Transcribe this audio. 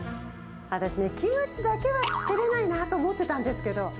私ね、キムチだけは作れないなぁと思ってたんですけど。